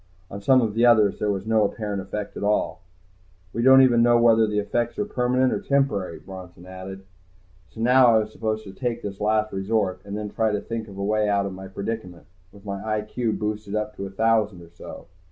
On some of the others there was no apparent effect at all. "We don't even know whether the effects are permanent or temporary," Bronson had added. So now I was supposed to take this Last Resort and then try to think of a way out of my predicament, with my I.Q. boosted up to a thousand or so.